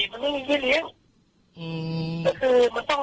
ข้นมงบ้างสังคมให้ลูกมุดแล้วไหนเขาจะถ่ายทั้ง